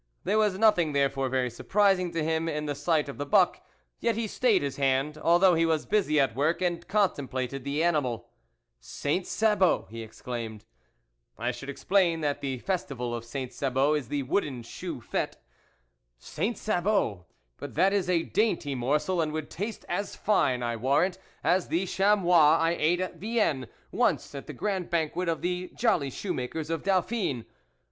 There was nothing therefore very sur prising to him in the sight of the buck, yet he stayed his hand, although he was busy at work, and contemplated the ani mal. THE WOLF LEADER " Saint Sabot !" he exclaimed I should explain, that the festival of Saint Sabot is the wooden shoe fete " Saint Sabot ! but that is a dainty morsel and would taste as fine, I warrant, as the cJfemois late at Vienne once at the grand banquet of the Jolly Shoemakers of Dauphine.